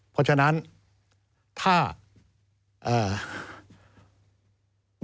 เพราะฉะนั้นถ้านายกประโยชน์